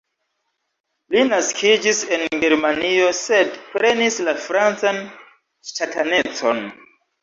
Li naskiĝis en Germanio, sed prenis la francan ŝtatanecon.